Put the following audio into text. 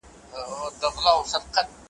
او که خدای مه کړه ,